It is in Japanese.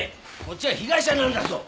こっちは被害者なんだぞ！